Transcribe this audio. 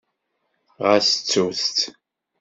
Ɣas ttut-t.